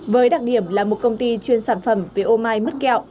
với đặc điểm là một công ty chuyên sản phẩm về ô mai mứt kẹo